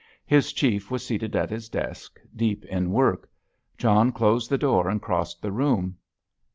His Chief was seated at his desk, deep in work. John closed the door and crossed the room.